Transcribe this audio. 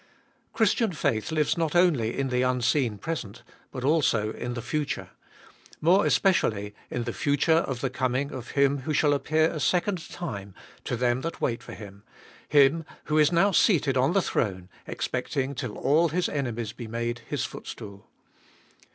Christian faith lives not only in the unseen present but also in the future ; more especially in the future of the coming of Him who shall appear a second time to them that wait for Him, Him who is now seated on the throne, expecting till all His enemies be made His footstool.